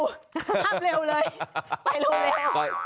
ภาพเร็วเลยไปเร็ว